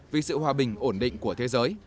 vì sự hòa bình ổn định của thế giới